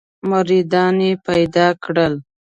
مریدان یې پیدا کړل.